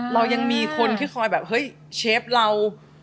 เรายังมีคนที่คอยแบบเฮ้ยเชฟเรา